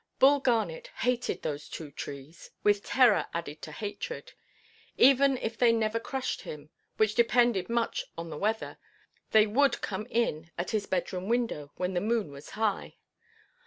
Bull Garnet hated those two trees, with terror added to hatred. Even if they never crushed him, which depended much on the weather, they would come in at his bedroom window when the moon was high.